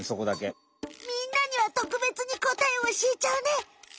みんなにはとくべつに答えおしえちゃうね。